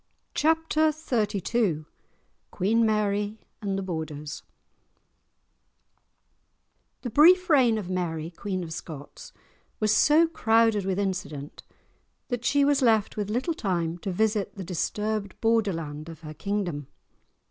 *Chapter XXXII* *Queen Mary and the Borders* The brief reign of Mary, Queen of Scots, was so crowded with incident that she was left with little time to visit the disturbed borderland of her kingdom.